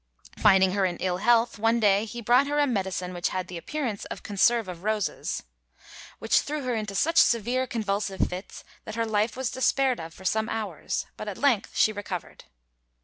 Finding her in ill health, one day he brought her "a medicine which had the appearance of conserve of roses, which threw her into such severe convulsive fits that her life was despaired of for some hours; but at length she recovered."